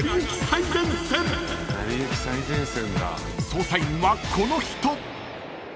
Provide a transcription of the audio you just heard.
［捜査員はこの人］